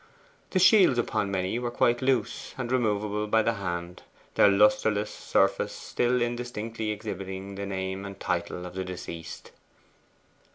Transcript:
The shields upon many were quite loose, and removable by the hand, their lustreless surfaces still indistinctly exhibiting the name and title of the deceased.